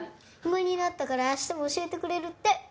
暇になったから明日も教えてくれるって！